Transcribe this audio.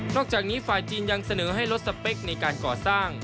จากนี้ฝ่ายจีนยังเสนอให้ลดสเปคในการก่อสร้าง